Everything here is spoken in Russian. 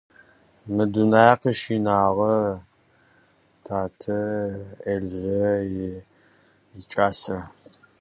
Окружающий мир составляли мой отец и Эльза, его любовница.